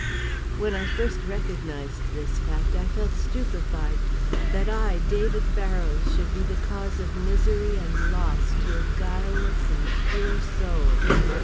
When I first recognized this fact I felt stupefied. That I, David Barrows, should be the cause of misery and loss to a guileless and pure soul!